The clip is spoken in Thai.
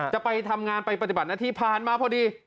จะไปทำงานไปปฏิบัติหน้าที่ผ่านมาพอดี